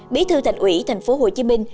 bí thư thành ủy thành phố hồ chí minh